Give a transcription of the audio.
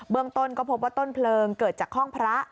เมืองต้นก็พบว่าต้นเพลิงเกิดจากห้องพระ